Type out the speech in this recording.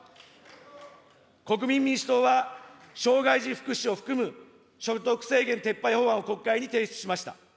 国民民主党は、障害児福祉を含む所得制限撤廃法案を国会に提出しました。